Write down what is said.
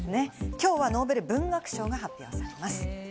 きょうはノーベル文学賞が発表されます。